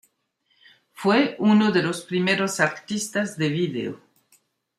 Fue uno de los primeros artistas de vídeo.